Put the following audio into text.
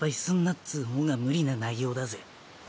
っつうほうが無理な内容だぜ。